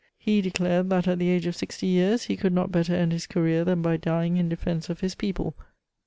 He declared that, at the age of sixty years, he could not better end his career than by dying in defense of his people